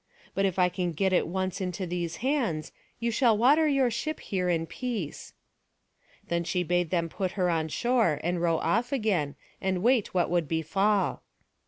But if I can get it once into these hands, you shall water your ship here in peace." Then she bade them put her on shore, and row off again, and wait what would befall.